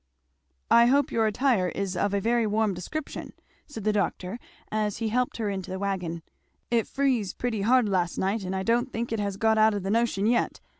"I hope your attire is of a very warm description," said the doctor as he helped her into the wagon; "it friz pretty hard last night and I don't think it has got out of the notion yet.